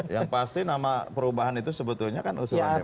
yang pasti nama perubahan itu sebetulnya kan usulan dpr